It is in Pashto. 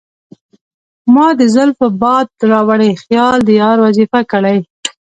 مــــــا د زلفو باد راوړی خیــــــال د یار وظیفه کـــــړی